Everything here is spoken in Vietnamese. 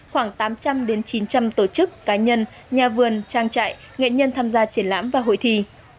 khoảng tám trăm linh chín trăm linh tổ chức cá nhân nhà vườn trang trại nghệ nhân tham gia triển lãm và hội thi